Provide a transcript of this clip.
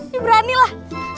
ya berani lah